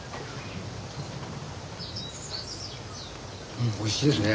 うんおいしいですね。